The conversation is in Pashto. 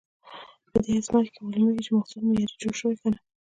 په دې ازمېښت کې معلومېږي، چې محصول معیاري جوړ شوی که نه.